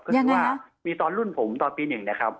ยังไงนะก็คือว่ามีตอนรุ่นผมตอนปีหนึ่งนะครับ